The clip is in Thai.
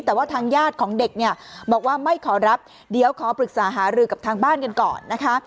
แต่ว่าทางญาติของเด็กเนี่ยบอกว่าไม่ขอรับเดี๋ยวขอปรึกษาหารือกับทางบ้านกันก่อนนะคะ